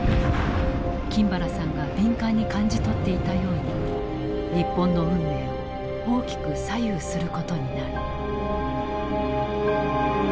金原さんが敏感に感じ取っていたように日本の運命を大きく左右することになる。